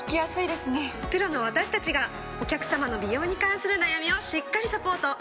プロの私たちがお客さまの美容に関する悩みをしっかりサポート。